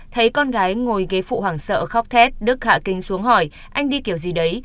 thấy con gái ngồi ghế phụ hoảng sợ khóc thét đức hạ kinh xuống hỏi anh đi kiểu gì đấy